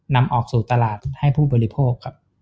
นำออกสู่ตลาดให้ผู้บริโภคครับ